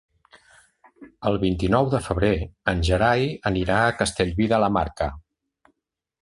El vint-i-nou de febrer en Gerai anirà a Castellví de la Marca.